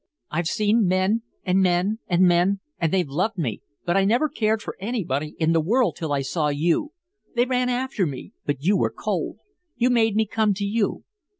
"I've seen men and men and men, and they've loved me, but I never cared for anybody in the world till I saw you. They ran after me, but you were cold. You made me come to you.